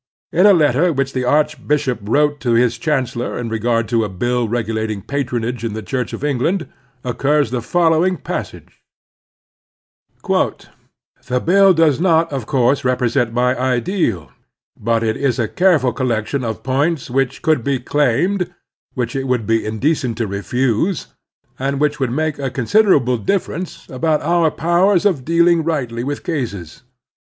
In a letter which the arch bishop wrote to his chancellor in regard to a bill regulating patronage in the Church of England, occurs the following passage: "The bill does not, of course, represent my ideal, but it is a careftil collection of points which cotild be claimed, which it wotild be indecent to refuse, and which wotdd make a considerable 9 129 X30 The Strenuous Life difference about our powers of dealing rightly with cases.